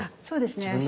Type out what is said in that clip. そうですね。